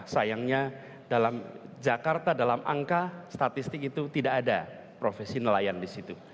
sayangnya dalam jakarta dalam angka statistik itu tidak ada profesi nelayan di situ